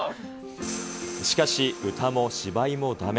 しかし、歌も芝居もだめ。